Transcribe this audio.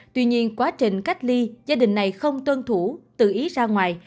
tuy nhiên quá trình cách ly gia đình này không tuân thủ tự ý ra ngoài